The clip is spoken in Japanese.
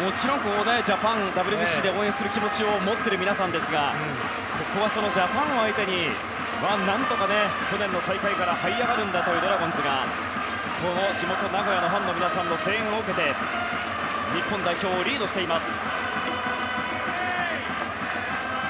もちろんジャパンをＷＢＣで応援する気持ちを持っている皆さんですがここは、そのジャパンを相手に何とか去年の最下位からはい上がるんだというドラゴンズが地元・名古屋のファンの皆さんの声援を受けて日本代表をリードしています。